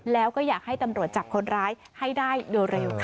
แล้วก็อยากให้ตำรวจจับคนร้ายให้ได้โดยเร็วค่ะ